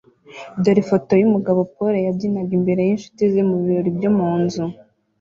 Dore ifoto yumugabo pole yabyinaga imbere yinshuti ze mubirori byo munzu